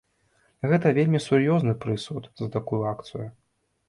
Гэта вельмі сур'ёзны прысуд за такую акцыю.